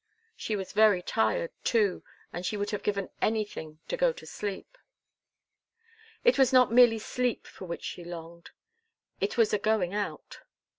She was very tired, too, and she would have given anything to go to sleep. It was not merely sleep for which she longed. It was a going out.